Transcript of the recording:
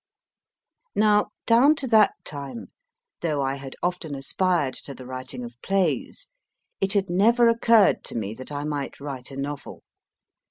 Now, down to that time, though I had often aspired to the writing of plays, it had never occurred to me that I might write a novel.